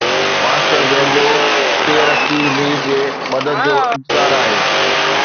master bingo player Aqeel Mir جي مدد جو انتظار آهي